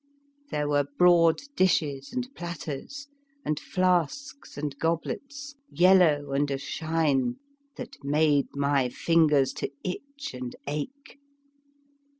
There were broad dishes and platters, and flasks and goblets, yellow and ashine, that made my fingers to itch and ache.